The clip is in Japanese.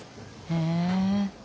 へえ。